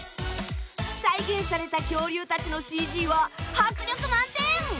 再現された恐竜たちのＣＧは迫力満点！